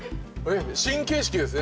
新形式ですね。